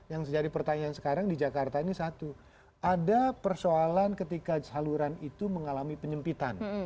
yang jadi pertanyaan sekarang di jakarta ini satu ada persoalan ketika saluran itu mengalami penyempitan